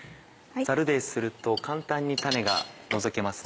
ザルですると簡単に種が除けますね。